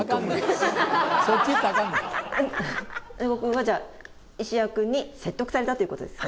金子君はじゃあ石家君に説得されたということですね？